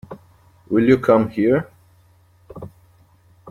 Will you come here?